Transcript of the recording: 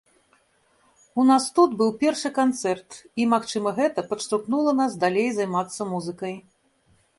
У нас тут быў першы канцэрт і, магчыма, гэта падштурхнула нас далей займацца музыкай.